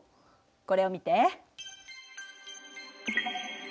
これを見て。